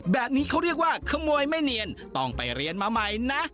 แบบนี้เขาเรียกว่าขโมยไม่เนียนต้องไปเรียนมาใหม่นะ